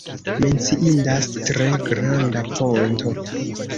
Menciindas tre granda ponto.